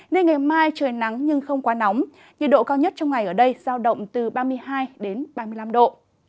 nên ngày mai trời nắng nhưng không quá nóng nhiệt độ cao nhất trong ngày ở đây giao động từ ba mươi hai đến ba mươi năm độ